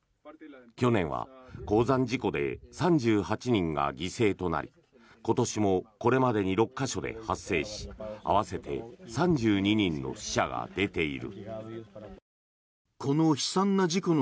去年は鉱山事故で３８人が犠牲となり今年もこれまでに６か所で発生し合わせて３２人の死者が出ている。